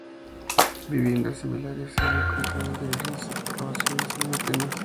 Viviendas similares se han encontrado en diversas excavaciones en Atenas.